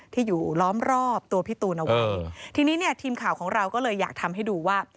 ที่อยู่ล้อมรอบตัวพี่ตูนเอาไว้ทีนี้เนี่ยทีมข่าวของเราก็เลยอยากทำให้ดูว่า